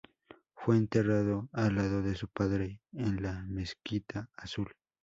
Fue enterrado al lado de su padre en la Mezquita Azul.